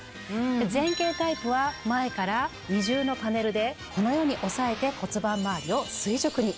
前傾タイプは前から二重のパネルでこのように押さえて骨盤周りを垂直に。